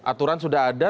aturan sudah ada